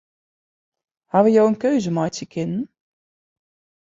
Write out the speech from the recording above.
Hawwe jo in keuze meitsje kinnen?